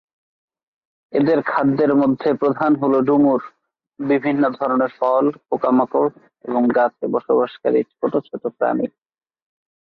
এদের খাদ্যের মধ্যে প্রধান হল ডুমুর, বিভিন্ন ধরনের ফল, পোকামাকড় এবং গাছে বসবাসকারী ছোটো ছোটো প্রাণী।